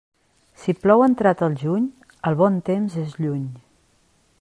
Si plou entrat el juny, el bon temps és lluny.